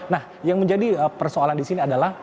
nah yang menjadi persoalan di sini adalah